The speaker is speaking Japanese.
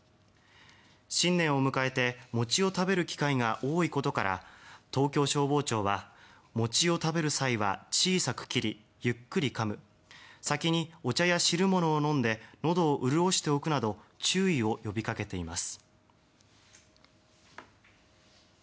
新年を迎えて餅を食べる機会が多いことから東京消防庁は餅を食べる際は小さく切りゆっくり噛む先にお茶や汁物を飲んでのどを潤しておくなど注意を呼びかけています。